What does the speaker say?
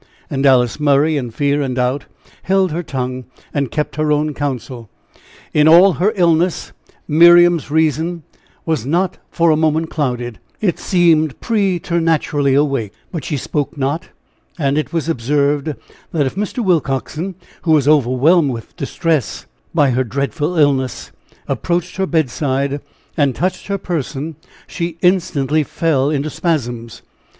And Alice Murray, in fear and doubt, held her tongue and kept her own counsel. In all her illness, Miriam's reason was not for a moment clouded it seemed preternaturally awake; but she spoke not, and it was observed that if Mr. Willcoxen, who was overwhelmed with distress by her dreadful illness, approached her bedside and touched her person, she instantly fell into spasms.